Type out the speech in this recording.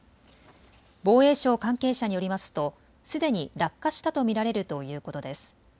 防衛省関係者によりますとすでに落下したと見られるということです。